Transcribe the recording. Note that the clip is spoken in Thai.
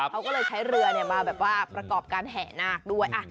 เขาก็เลยใช้เรือมาแบบว่าประกอบการแห่นาคด้วย